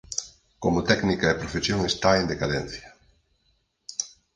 Como técnica e profesión está en decadencia.